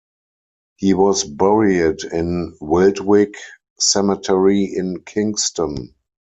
He was buried in Wiltwyck Cemetery in Kingston.